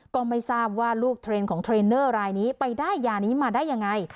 ก็ไม่ทราบว่าลูกเทรนด์ของเทรนเนอร์รายนี้ไปได้ยานี้มาได้ยังไง